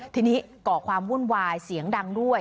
ทีนี้ก่อความวุ่นวายเสียงดังด้วย